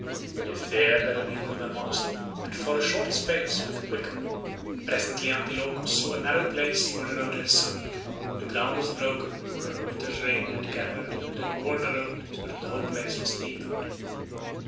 They feared the rebuke of their master, and for a short space went quicker. Presently Antilochus saw a narrow place where the road had sunk. The ground was broken, for the winter's rain had gathered and had worn the road so that the whole place was deepened.